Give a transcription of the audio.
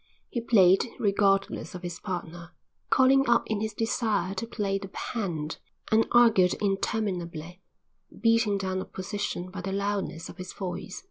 He played regardless of his partner, calling up in his desire to play the hand, and argued interminably, beating down opposition by the loudness of his voice.